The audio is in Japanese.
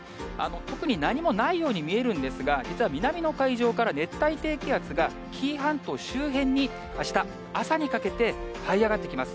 特に何もないように見えるんですが、実は南の海上から熱帯低気圧が、紀伊半島周辺に、あした朝にかけてはい上がってきます。